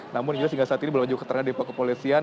namun hingga saat ini belum ada juga ketangan di pihak kepolisian